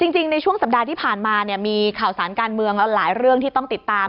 จริงในช่วงสัปดาห์ที่ผ่านมาเนี่ยมีข่าวสารการเมืองหลายเรื่องที่ต้องติดตาม